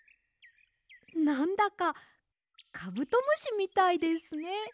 なんだかカブトムシみたいですね。